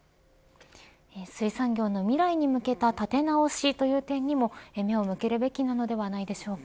水産業の未来に向けた立て直しという点にも目を向けるべきなのではないでしょうか。